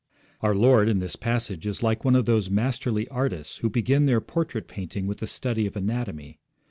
Our Lord in this passage is like one of those masterly artists who begin their portrait painting with the study of anatomy.